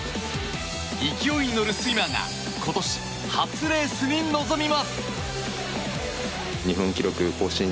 勢いに乗るスイマーが今年、初レースに挑みます。